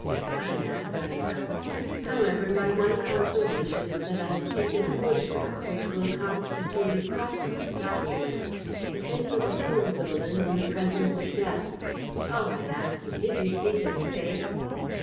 What an ass I am! However, my one consolation is that I have taken a photograph which will constitute a priceless document: the face of a Hohenzollern in the presence of death. Oh, I ask you, did you see his face?